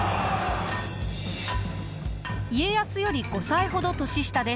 家康より５歳ほど年下です。